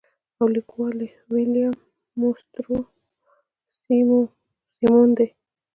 او ليکوال ئې William Mastrosimoneدے.